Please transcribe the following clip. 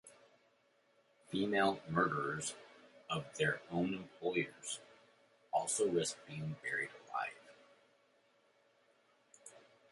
Female murderers of their own employers also risked being buried alive.